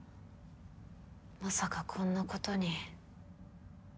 まさかこんなことに。